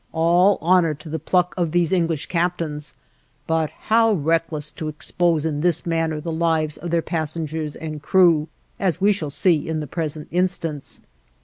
All honor to the pluck of these English captains! but how reckless to expose in this manner the lives of their passengers and crew, as we shall see in the present instance.